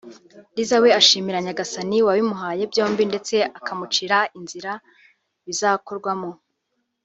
Liza we ashimira Nyagasani wabimuhaye byombi ndetse akamucira n’inzira bizakorwamo